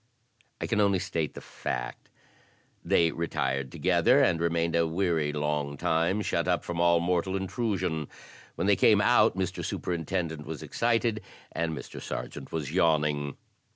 I can only state the fact. They retired together; and remained a weary long time shut up from all mortal intrusion. When they came out Mr. Superintendent was excited and Mr. Sergeant was yawning.